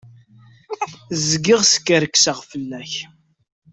Zgiɣ skerkiseɣ fell-ak.